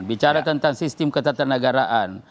bicara tentang sistem ketatanegaraan